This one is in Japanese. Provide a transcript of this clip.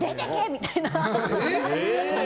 みたいな。